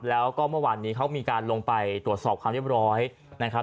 แล้วก็เมื่อวานนี้เขามีการลงไปตรวจสอบความเรียบร้อยนะครับ